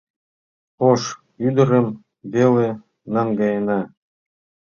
Ош ӱдырым веле наҥгаена.